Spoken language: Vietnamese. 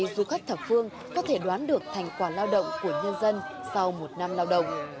du khách thập phương có thể đoán được thành quả lao động của nhân dân sau một năm lao động